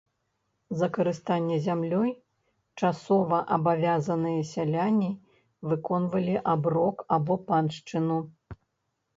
За карыстанне зямлёй часоваабавязаныя сяляне выконвалі аброк або паншчыну.